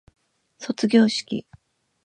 卒業式